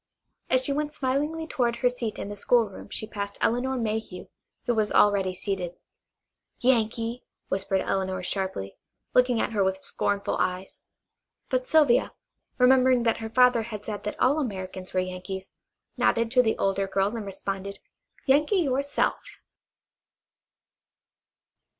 As she went smilingly toward her seat in the schoolroom she passed Elinor Mayhew, who was already seated. "Yankee!" whispered Elinor sharply, looking at her with scornful eyes. But Sylvia, remembering that her father had said that all Americans were Yankees, nodded to the older girl and responded: "Yankee your self!"